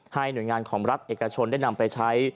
หน่วยงานของรัฐเอกชนได้นำไปใช้